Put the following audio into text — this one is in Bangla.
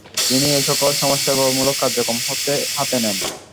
তিনি এ সকল সমাজসেবামূলক কার্যক্রম হাতে নেন।